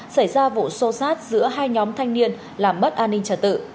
xảy ra vụ xô xát giữa hai nhóm thanh niên làm mất an ninh trả tự